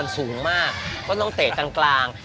อืมอืมอืมอืมอืม